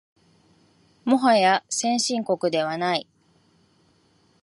もはや先進国ではない